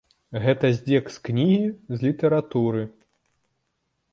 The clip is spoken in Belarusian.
Гэта здзек з кнігі, з літаратуры!